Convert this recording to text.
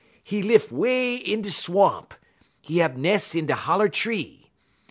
'E lif way in da swamp; 'e hab nes' in da holler tree.